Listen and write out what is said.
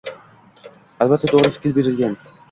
Аlbatta to'g'ri fikr berilgan.